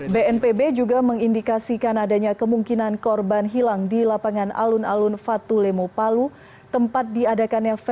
bnpb juga mengindikasikan adanya kemungkinan korban hilang di lapangan alun alun fatulemo palembang